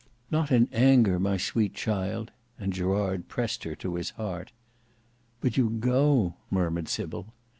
"Not in anger, my sweet child," and Gerard pressed her to his heart. "But you go," murmured Sybil.